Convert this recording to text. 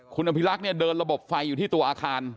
คุณอภิรักษ์เนี่ยเดินระบบไฟอยู่ที่ตัวอาคาร